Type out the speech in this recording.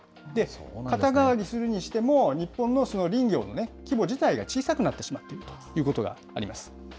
肩代わりするにしても、日本のその林業の規模自体が小さくなってしまっているということがあります。